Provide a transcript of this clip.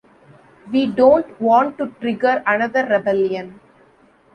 We don't want to trigger another rebellion.